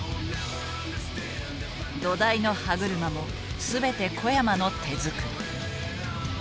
土台の歯車も全て小山の手作り。